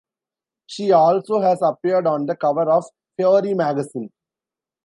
She also has appeared on the cover of Faerie Magazine.